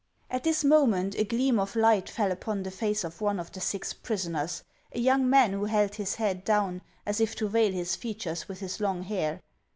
At this moment a gleam of light fell upon the face of one of the six prisoners, a young man who held his head down, as if to veil his features with his long hair.